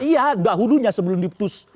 iya dahulunya sebelum diputus